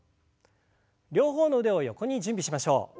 両方の腕を横に準備しましょう。